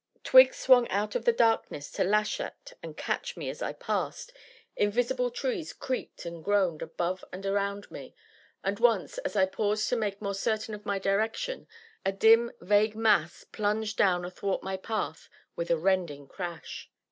Twigs swung out of the darkness to lash at and catch me as I passed, invisible trees creaked and groaned above and around me, and once, as I paused to make more certain of my direction, a dim, vague mass plunged down athwart my path with a rending crash.